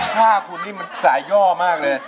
คาปุ่นนี้มันสายย่อมาก